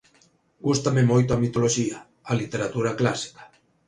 Gústame moito a mitoloxía, a literatura clásica.